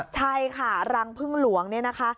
ใช่ค่ะรังพึ่งหลวงเนี่ยนะคะ